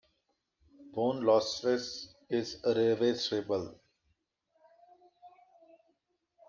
Bone loss is reversible.